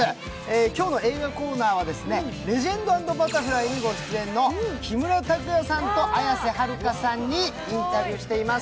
今日の映画コーナーは、「レジェンド＆バタフライ」にご出演の木村拓哉さんと綾瀬はるかさんにインタビューしています。